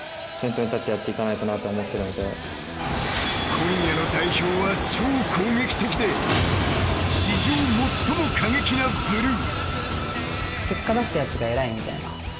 今夜の代表は超攻撃的で史上最も過激なブルー。